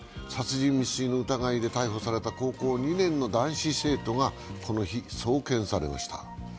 殺人未遂の疑いで逮捕された高校２年の男子生徒がこの日、送検されました。